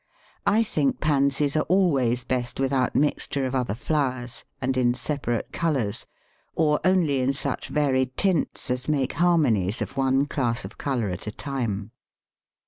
I think Pansies are always best without mixture of other flowers, and in separate colours, or only in such varied tints as make harmonies of one class of colour at a time.